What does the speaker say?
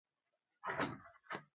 امانت ارزښتناک دی.